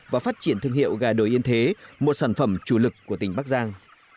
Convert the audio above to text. và phát triển thương hiệu gà đồi yên thế một sản phẩm chủ lực của tỉnh bắc giang